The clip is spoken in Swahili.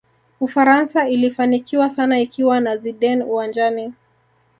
ufaransa ilifanikiwa sana ikiwa na zidane uwanjani